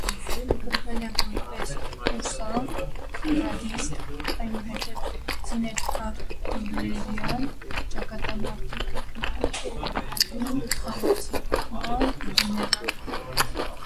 Կռվել է որպես կուրսանտ, ռադիստ, այնուհետև՝ զենիթաարտիլլերյան ճակատամարտի կրակային հարձակման գեներալ։